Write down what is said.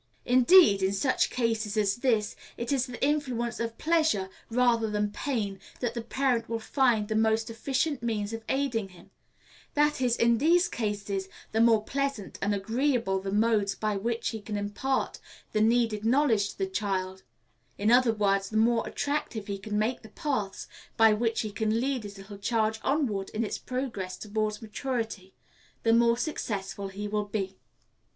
Indeed, in such cases as this, it is the influence of pleasure rather than pain that the parent will find the most efficient means of aiding him; that is, in these cases, the more pleasant and agreeable the modes by which he can impart the needed knowledge to the child in other words, the more attractive he can make the paths by which he can lead his little charge onward in its progress towards maturity the more successful he will be.